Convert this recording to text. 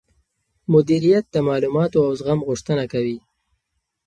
مديريت د معلوماتو او زغم غوښتنه کوي.